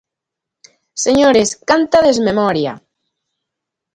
Señores, ¡canta desmemoria!